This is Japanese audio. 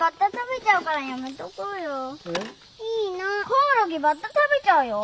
コオロギバッタ食べちゃうよ？